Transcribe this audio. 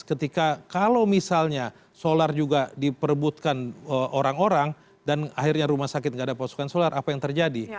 ketika kalau misalnya solar juga diperebutkan orang orang dan akhirnya rumah sakit tidak ada pasukan solar apa yang terjadi